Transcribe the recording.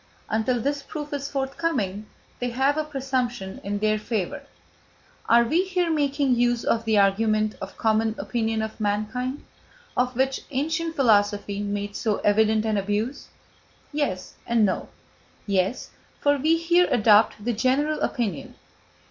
Until this proof is forthcoming they have a presumption in their favour. Are we here making use of the argument of common opinion of mankind, of which ancient philosophy made so evident an abuse? Yes, and no. Yes, for we here adopt the general opinion.